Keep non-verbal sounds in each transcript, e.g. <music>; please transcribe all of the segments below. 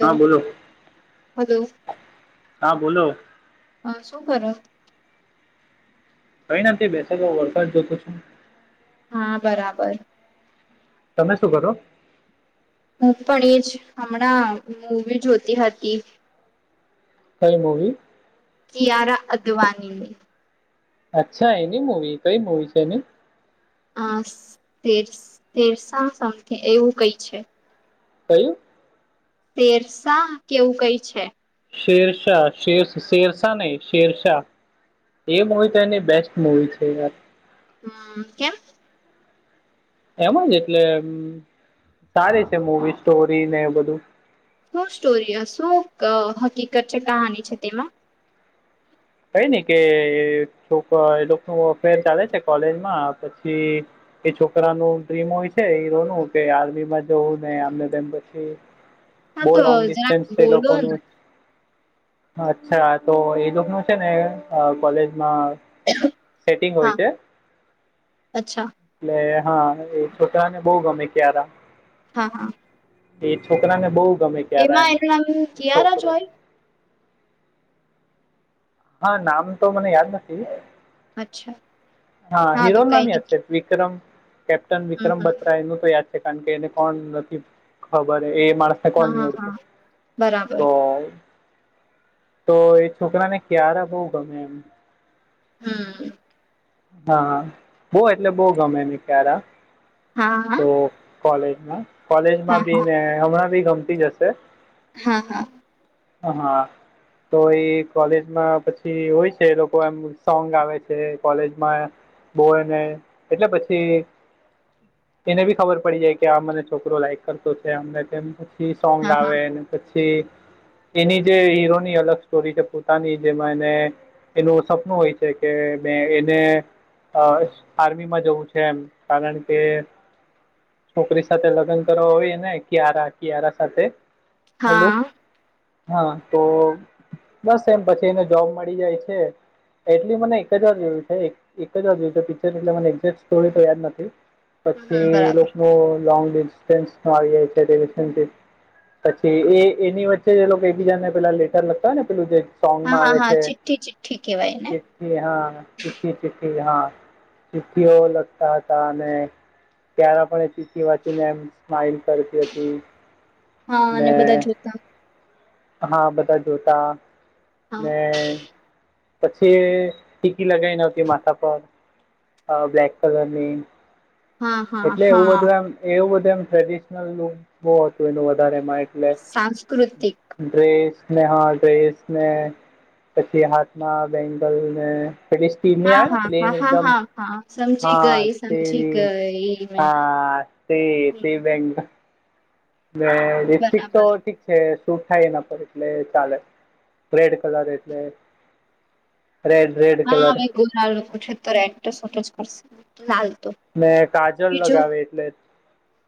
હા બોલો હલો, હા બોલો હ, શું કરે? કંઈ ના, તે બેસેલો વરસાદ જોતો છું. હા, બરાબર. તમે શું કરો? હું પણ એજ, હમણાં મૂવી જોતી હતી. કંઈ મૂવી? કિયાર અદવાની. અચ્છા, એની મુવી કંઈ મુવી છે એની? અ તેરસ તેરસા સમથીગ એવું કઈ છે. કયું શેરસા કેવું કઈ છે શેરશા શેરશ શેરશા નહી શેરશાહ એ મવી તો એની બેસ્ટ મુવી છે હમ કેમ એમાં જ એટલે સારી છે મવી સ્ટોરી ને બધું શું સ્ટોરી હ શું હકીકત છે કહાનની છે તેમાં કઈ નને કે છોક એ ન અફેર ચાલે છે કોલેજમાં પછી એ છોકરા ન ડ્રીમ હોય છે હીરો નું કે આર્મી માં જવું મને તેમ પછી <inaudible> બહુ લોંગ જરાક ડિસ્ટન્સ છે બોલો ને લોકોનું અચ્છા તો એજક ન છે ને કોલેજમાં સેટિંગ હા હોય છે અચ્છા એટલે હા એ છોટા ને બહુ ગમે ત્યારા હા હા એ છોકરા ને બહુ ગમે ત્યારે એમ એમાં એનું નામ એ કિયારા જ છોકરો હોય હા નામ તો મને યાદ નથી અચ્છા હા હીરો તો કઈ નામ યાદ નઈ છે વિક્રમ કેપ્ટન હમ વિક્રમ હમ બત્રા એનું તો યાદ કારણ કે એને કોણ નથી ખબર એ માણસ હ હા હા કોડ હા બરાબર તો તો એ છોકરા ને ક્યારે બહુ ગમે એમ હમ હા બહ એટલે બહ ગમેને ખાર આ હા હા કોલે હા કોલેજમાં હા બી ને હમણાં બી ગમતી જશે હા હા હ હા તો એ કોલેજમાં પછી હોય છે લોકો એમ સોંગ આવે છે કોલેજમાં બોયને એટલે પછી એને બી ખબર પડી જાય કે આ મને છોકરો લાઈક કરતો છે અમને સોંગ હા હા આવે પછી એની જે હીરોની અલગ સ્ટોરી છે પોતાની જેમાં એને એનું સપનું હોય છે કે અને એને આર્મી માં જવું છે એમ કારણ કે છોકરી સાથે લગ્ન કરવા હોઈ ને કે આાર કયાર સાથે હલું હા હા તો બસ એમ પછી એને જોબ મળી જાય છે એટલી મને એક જ જોયું છે એક જ વા જોયું છે પિક્ચર એટલે મને એક્ઝેક સ્ટોરી તો યાદ નથી પછી હમ એ બરાબર લોકો ન લોંગ ડિસ્ટન્સ આવી જાય છે પછી એની વચ્ચે જે લોકો એક બબીજાને પેલા લેટર લખતા હોય ને પેલું જે હા સોંગમાં હા આવે હા છે ચિઠ્ઠી ચિઠ્ઠી કેવાય એને કેથી હ ચઠી ચી્ઠી હા ચિઠ્ઠીઓ લગતા હતા અને ત્યારે પણ કવાતીને એમ સ્માઈલ કરતી હતી હા અને બધા મેં જોતા હા બધા જોતા હા ને પછી ટીકી લગાવઈ નહતી માથસા પર અ બ્લલેક કલર ની હા હા એટલે એવું હા બધું એમ એવું બધું એમ ટ્રેડિશનલ લુક બહુ હતું એનું વધારે માઇક સાંસ્કૃતિક ડ્રેસને હા ડ્રેસને પછી હાથના બેંગલ ને- પેલી હા આવેને હા પ્લેન હા હા એકદમ હા હા સમજી હા ગઈ સમજી તેવી ગઈ મેં હા તે તે હમ બેંગલ ડિસ્ટસ્ટ્રિક તો બરાબર ઠીક સુટ થાય એના પર એટલે ચાલે રેડ કલર એટલે રેડ રેડ હા કલર અવે ગોરાલ કુઠે તોર એક છોટો છશે લાલ તો <unintelligible> ને કાજલ બીજું લગાવે એટલે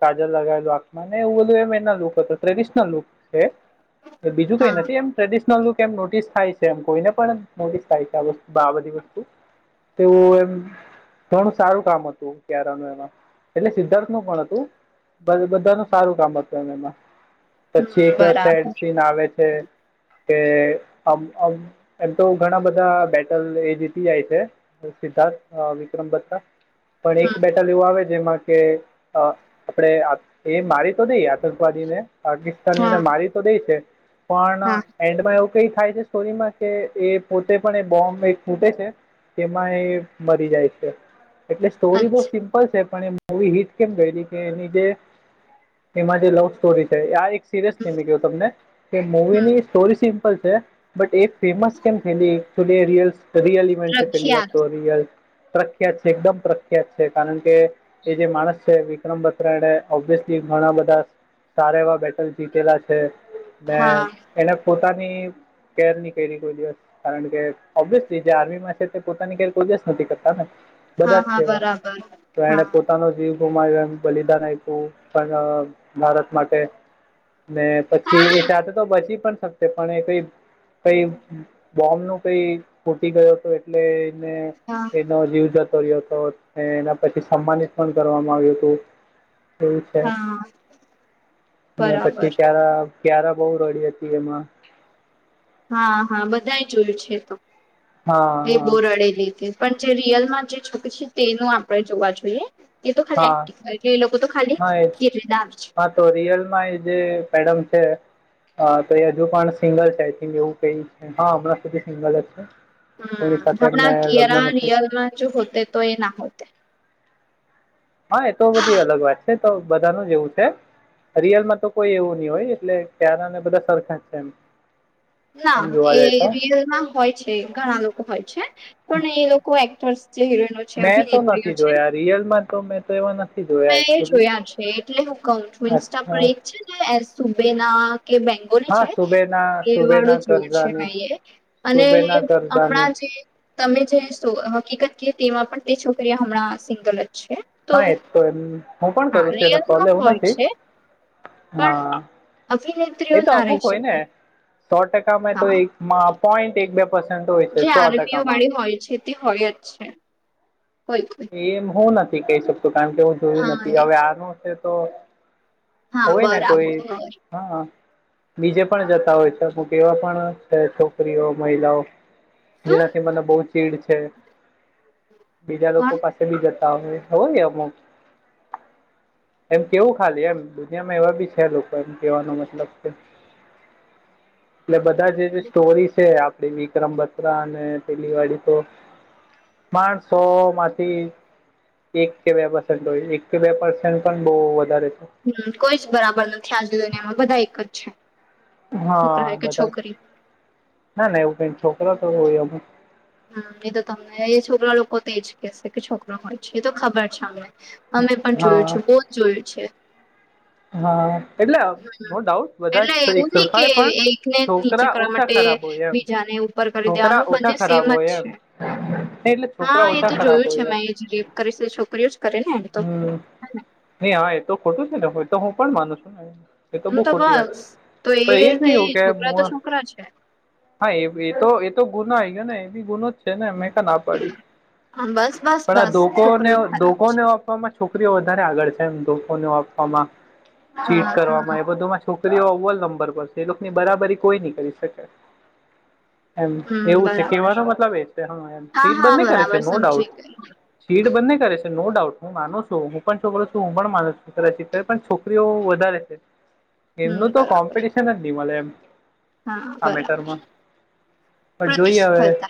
કાજલ લગાવેલું આખમાં ને એવું બધુ એમ એનો લુક હતો ટ્રેડિશનલ લુક બીજું કઈ હા નથી એમ ટ્રેડિશનલ લુક એમ નોટિસ થાય છે એમ કોઈને પણ નોટિસ થાય છે આસ્તુ આ બધી વસ્તુ. તો એમ ઘણું સારું કામ હતું કયારાનું એમાં એટલે સિદ્ધાર્થ નું પણ હતું બધા નું સારું કામ હતું એમ એમાં પછી હમ એક સેડ બરાબર સીન આવે છે કેમ એમ તો ઘણા બધા બેટલ એ જીતી જાય છે સિદ્ધાર્થ વિક્રમ બત્રા. પણ એક હમ બેટ લ એવું આવે- જેમાં કે આપે એ મારી તો દઈએ આતંકવાદી ને હા પાકિસ્તાનીઓને મારી તો દે છે પણ હા એન્ડમાં એવું કઈ થાય છે સ્ટોરીમાં કે એ પોતે પણ એ બોમ્બ એ ફૂટે છે તેમાં એ મરી જાય છે એટલે સ્ટોરી બવ અચ્છા સિમ્પ પણ એ મવી હિટ કેમ ગય કે એની જે એમાં જે લવ સ્ટોરી છે આ એક સિરિયસ હમ નહી.. તમને કે મવી હમ ની સ્ટોરી સિમ્પલ છે. બટ એ ફેમસ કેમ થયલી રિયલ ઇવેન્ટ છે પેલી વાત રખિયાલ તો ર પ્રખ્યાત છે એકદમ પ્રખ્યાત છે કારણ કે એ જે માણસ છે વિક્રમ બત્રા એણે ઓયસલી ઘણા બધા સારા એવા બેટલ જીતેલા છે. હા એને પોતાની કેર ની કરી કોઈ દિવસ કારણ કે ઓબ્વિયસલી જે આર્મીમાં છે તે પોતાની કેર કોઈ દિવસ નથી કરતા ને. હા બધા જ હા છે એવા બરાબર તો એને હા પોતે નો જીવ ગુમાવ્યો એમ બલિદાન આપ્યું પણ ભારત માટે ને પછી હા એ જાતે તો બચી પણ પણ એ કઈ કઈ બોમ્બ નું કઈ ફૂટી ગયો હતો એટલે એને હા જીવ જતો રહ્યો હતો અને એના પછી સન્માનિત પણ કરવામાં આવ્યું હતું. એવું છે હા બરાબર પછી ક્યારે કિયારા બહુ રડી હતી એમાં. હા હા બધા જોયું છે. તો હા એ હા બોવ રડેલી તે પણ જે રિયલમાં જે છોકરી છે તેનું આપણે જોવા જોઈએ. એ તો ખાલી હા એક્ટિંગ કરે એ લોકો તો ખાલી હા એ ઘીર લીધા આવે છે હા તો રિયલ માં એ જે મેેડમ છે હા તો એ હજુ પણ સિંગલ છે આઈ થક એવું કઈ હા હમણાં સુધી સિંગલ જ છે. કોની હમ સાથે એમણે હમણાં કિયારા લગ્ન નથી રિયલમાં જો હોતે તો એ ના હોતે હા એ તો બધી અલગ વાત છે તો બધાનું જ એવું છે. રિયલમાં તો કોઈ એવું નહી હોય એટલે કિયારાને બધા સરખાં જ છે એમ. એમ ના જોવા એ જાય તો રિયલમાં હોય છે ઘણા લોકો હોય છે પણ એ લોકો એક્ટર્સ જે હિરોઈનો છે મેં તો અભિનેત્રીઓ નથી જોયા રિયલમાં તો મેં તો એવા નથી હ જોયા મેં એ એકચુલી જોયા છે એટલે હું કઉ છું ઇન્સ્ટા પર અચ્છા એક છે. સુબે ના કે બક બોલે હા છે સુબેના એ સુબેના વાળું જડ છે કરઝાની ભાઈ એ અને સુબેના કરઝાની હમણાં જે. <unintelligible> તમે જે હકીકત કય તેમાં પણ તે છોકરી હમણાં સિંગલ જ છે. હા એ તો એમ હું પણ હા કરું છું એ રિયલમાં કોલેવું હોય નથી છે પણ હા અભિનેત્રીઓ એતો ના અમુક રહી હોય ને શકે સો ટકા માં તો હા એક પોઈન્ટ એક બે પર્સન્ટ હોય છે જે સો આર્મીઓ ટકા માં. વાળી હોય છે. હોય જ છે કોઈ કોઈ. એમ હું નથી કહી શકતું કારણ કે હું જોયું હા નથી એ જ. હવે આનું છે તો હા હોય ને કોઈ. બરાબર હા બીજે પણ જતા હોય છે અમુક એવા પણ છે છોકરીઓ મહિલાઓ. શું જેનાથી મને બહુ ચીડ છે. <inaudible> બીજા લોકો પાસે બી જતા હોય હોય અમુક એમ કેવું ખાલી એમ દુનિયામાં એવા બી છે લોકો એમ કેવાનો મતલબ <inaudible> એટલે બધા જે જે સ્ટોરી છે આપ આપ વિક્રમ બત્રા અને પેલી વાળી તો માણસો મા એક કે બે હો એક કે બે પ પણ બ વધારે. હમ કોઈ જ બરાબર નથી આજે દુનિયામાં બધા એક જ છે. છોકરા હા હોય કે બધા જ છોકરી ના ના એવું કઈ છોકરા તો હોય અમુક. હમ એ તો તમને એ છોકરા લોકો તો એજ કેશે કે છોકરા હોય છે એ તો ખબર છે અમને. અમે પણ જોયું છે હા બહું જ જોયું છે. હા એટલે નો ડાઉટ બધા એટલે જ એક એવું નહ સરખા કે હોય પણ એકને નીચે છોકરા કરવા ઓછા માટે ખરાબ હોય એમ બીજાને ઉપર કરી છોકરા દેવાનું ઓછા બંને ખરાબ સેમ જ હોય એમ નઈ એટલે છોકરા હા એ ઓછા તો ખરાબ જોયું છે હોય એમ મેં એજ ગેપ. કરીશ છોકરીઓ જ કરે ને એમ તો. હમ નહી હા એ તો ખોટું છે ને હ તો હું પણ માનું છું ને. એ તો એમ બહ ખોટી વાત બસ તો પણ એ એજ નહી કેવું કે છોકરા મો તો છોકરા છે હા એ એ તો એ તો ગુનો આવી ગયો ને એ બી ગુનો જ છે. ને મેં ક ના પાડી હા બસ બસ પણ આ બસ છોકરીઓ ખરાબ ધોને છે ધોકોને આપવામાં છોકરીઓ વધારે આગળ છે એમ તો ધોકેને આપવામાં. ચીટ હા હા કરવામાં એ બધું માં છોકરીઓ અવવલ નંબર પર છે એ લોકોની બરાબરી કોઈ નહી કરી શકે. એમ હમ એવું છે બરાબર કેવાનો મતલબ એ એમ હા ચીટ હા બંને કરે છે બરાબર નો સમજી ડાઉટ. ગઈ ચીટ બંને કરે છે. નો ડાઉટ હું માનો છું હું પણ છોકરો છું હું પણ માનું છુંચ કઈ પણ છોકરીઓ વધારે છે. <inaudible> એમનું તો બરાબર કોમ્પિટિશન જ નઈ મળે એમ હા આ બરાબર મેટરમાં. પણ જોઈએ હવે પ્રતિસ્પર્ધા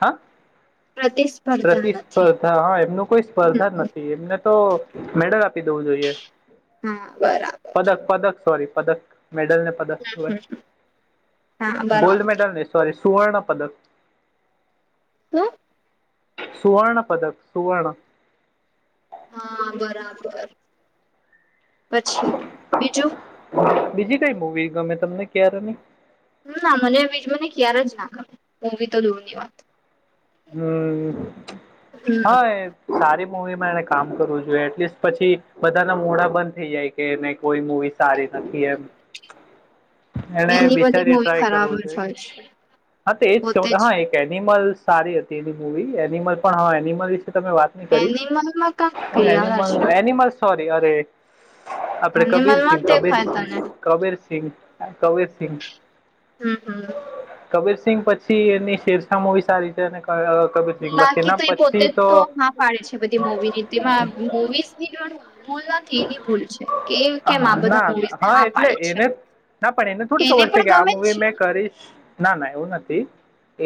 હા! પ્રતિસ્પર્ધા નથી. પ્રતિસ્પર્ધા હા એમનું કોઈ સ્પર્ધા જ હમ નથી એમને તો મેડલ આપી દવું જોઈએ. હા બરાબર પદક પદક સોરી પદક મેડલ ને પક હમ હા ગોલ્ડ બરાબર મેડલ નને સોરી સુવર્ણ પદક. હ્? સુવર્ણ પદક સુવર્ણ. હા બરાબર પછી બીજું. બીજી કઈ મુવી ગમે તમને ક્યારે નહી? હમ ના મને બીજ મને ક્યારે જ ના કરે બી તો દૂર ની વાત. હમ હા હમ એ સારી મૂવીમાં એને કામ કરવું જોઈએ એટલીસ્ટ પછી બધાના મોડા બંધ થઈ જાય. કે એને કોઈ મુવી સારી નથી એમ. <inaudible> એને એની બધી બેિચારી મૂવી ટ્રાય ખરાબ કરવું જ જોઈએ હોય છે હા તો એજ પોતે જ હા. એનિમલ સારી હતી એની મૂવી એનિમલ પણ હવે એનિમલ વિશે તમે વાત કરી એનિમલમાં ક ક્રિયા એનિમલ છે એનિમલ સોરી અરે આપડે એનિમલમાં કબીરસિંહ જ દેખાય કબીરસિંહ તને કબીરસિંહ કબીરસિંહ. હમ હમ. કબીરસિંહ પછી એની શેરશાહમૂવી સારી છે અને કબિર શીંગ બસ બાકી એના તો એ પોતે પછી જ તો હા પાડે છે બધી મવીની તેમાં મુવીઝ ની પણ ભૂલ નથી એની ભૂલ છે. કેવી કેમ આ બધા ના મુવીઝને હા એટલે પાડીે એને છે. ના પણ એને થોડી ખબર છે પણ કે આ ગમે જ મુવી છે મેં કરીશ ના ના એવું નથી.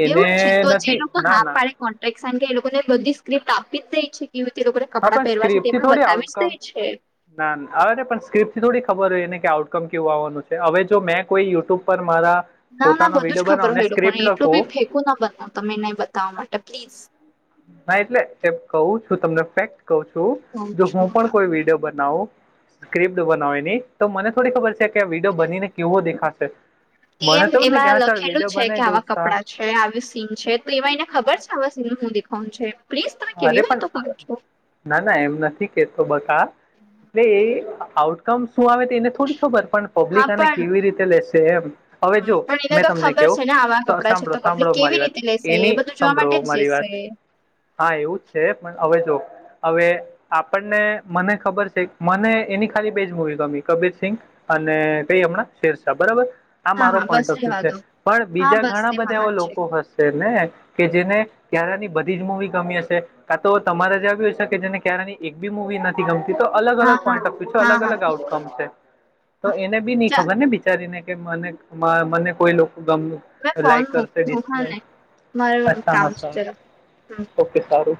એને એવું જ છે તો જે નથી લોકો ના હા ના. પાડે કોન્ટ્રાક્ટ સાઈન કે એ લોકોને બધી સ્ક્ર્રીપ્ટ આપી જ દઈ છે તે લોકો ને હા કપડાં પણ પેહેરવા છે તે સ્ક્રિપ્ટથી પણ થોડી બતાવી જ આઉટકમ દાય છે. ના આવે ને પણ સ્ક્રિપ્ટ થી થોડી ખબર હોય ને કે આઉટકમ કેવું આવવાનું છે હવે જો મેં કોઈ યુટ્યુબ પર મારા ના ના પોતાનો બધું જ વિડીયો ખબર બનાવને હોય એ લોકોને સ્ક્રિપ્ટ એટલું લખો બી ના બનાવ તમે એને બતાવવા માટે પ્લીઝ ના એટલે એ કહું છું તમને ફેક્ટ કહું છું જો હું પણ કોઈ વિડીયો બનાવું સ્ક્રિપ્ટ બનાવેની તો મને થોડી ખબર છે કે આ વિડીયો બનીને કેવો દેખાશે? એમ મને તો એવું જ ને કે એમાં હા ચાલ લખેલું વિડીયો છે બનાવી કે દઉં આવા કપડા છે આવી સીન છે તો એમાં એને ખબર છે આવા સીન હું દેખવાનું છે. પ્લીઝ તમે અરે કેવી પણ વાતો કરો છો ના ના એમ નથી કેતો બકા એટલે એ આઉટકમ શું આવે તે એને થોડી ખબર પણ પબ્લિક હા આને પણ કેવી રીતે લેશે એમ. હવે જો પણ એને મેં તો તમને ખબર કહો છે ને આવા કપડાં છે સાંભળો તો કપડી સાંભળો કેવી મારી વાત રીતે લેશે એ એની બધું જોવા સાંભળો માટે જ મારી વાત. જશે હા એવું જ છે પણ હવે જો હવે આપણને મને ખબર છે મને એની ખાલી બેજ મુવી ગમી કબીર સિંંગ અને કઈ હમણાં શેરશાહ બરાબર. આ હા મારો હા પોઈન્ટ બસ ઓફ વ્યુ રહેવા છે દો પણ હા બીજા બસ ઘણા એમાં બધા હા એવા છે લોકો હશે ને કે જેને ક્યારાની બધી જ મુવી ગમી હશે કા તો તમારે જે હોયશે કે જેને ક્યારેની બી મૂવી નથી ગમતી તો અલગ અલગ હા હા પોઈન્ટ ઓફ વ્યુ છે હા અલગ હા અલગ આઉટકમ છે. તો એને બી ચ નઈ ખબર ને બિચારીને કે મને મને કોઈ લોકો ગમ મેં ફોન લાઈક કરશે મૂકતી હું હા ડિસ્પ્લે ને મારું અચ્છા કામ હા છે સારું જરા હમ ઓકે સારું.